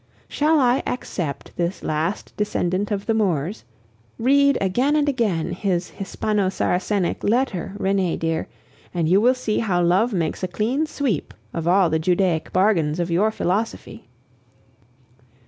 Shall I accept this last descendant of the Moors? Read again and again his Hispano Saracenic letter, Renee dear, and you will see how love makes a clean sweep of all the Judaic bargains of your philosophy.